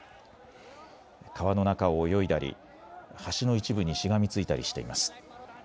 川の中を泳いだり、橋の一部にしがみついたりしています。